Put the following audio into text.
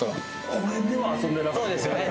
これでは遊んでなかったそうですよね